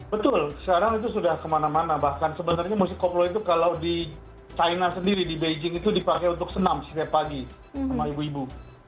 betul sekarang itu sudah kemana mana bahkan sebenarnya musik koplo itu kalau di china sendiri di beijing itu dipakai untuk senam setiap pagi sama ibu ibu